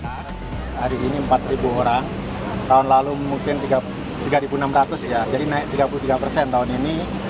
hari ini empat orang tahun lalu mungkin tiga enam ratus ya jadi naik tiga puluh tiga persen tahun ini